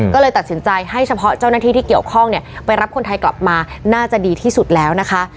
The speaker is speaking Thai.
ก็เลยตัดสินใจให้เฉพาะเจ้าหน้าที่ที่เกี่ยวข้องเนี่ยไปรับคนไทยกลับมาน่าจะดีที่สุดแล้วนะคะ